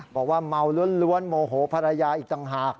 บอกว่าเมาล้วนโมโหภรรยาอีกต่างหาก